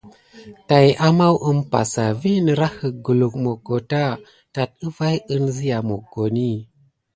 Tayamaou umpa sa vi nerahək guluk moggota tat əvay əŋzia moggoni.